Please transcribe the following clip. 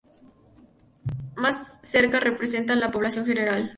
Más cerca representan la población general.